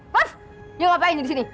kamu ngapain disini